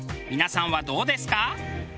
皆さんはどうですか？